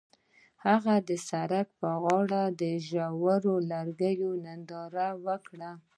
هغوی د سړک پر غاړه د ژور لرګی ننداره وکړه.